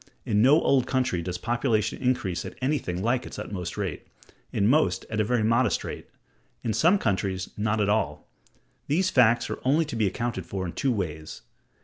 In no old country does population increase at anything like its utmost rate; in most, at a very moderate rate: in some countries, not at all. These facts are only to be accounted for in two ways.